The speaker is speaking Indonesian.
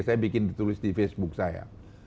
saya bikin ditulis di facebook saya